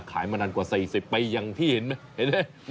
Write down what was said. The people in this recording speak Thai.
ขายมานานกว่า๔๐ปียังที่เห็นไหม